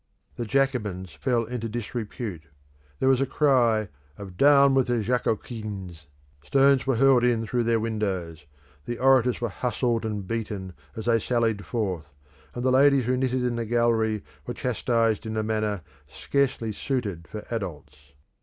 The Jacobins fell into disrepute; there was a cry of "Down with the Jacoquins!"; stones were hurled in through their windows; the orators were hustled and beaten as they sallied forth, and the ladies who knitted in the gallery were chastised in a manner scarcely suited for adults.